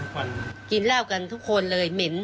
กลุ่มคนร้ายน่าจะเข้าใจผิดนะคะ